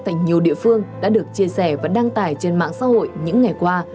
tại nhiều địa phương đã được chia sẻ và đăng tải trên mạng xã hội những ngày qua